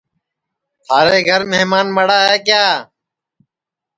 تھارے گھر مھمان مڑا ہے کیا